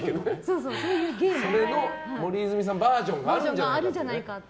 それの森泉さんバージョンがあるんじゃないかと。